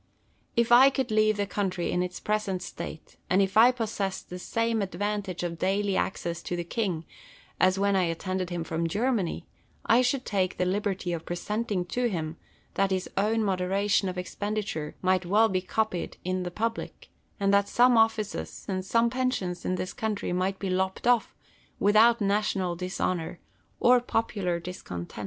If I could leave the country in its present state, and if I possessed the same advantage of daily access to the king as when I attended him from Germany, I should take the liberty of representing to him, that his own moderation of expenditure might well be copied in the public, and that some offices and some pensions in this country might be lopped off, without national dishonour or popular dis content.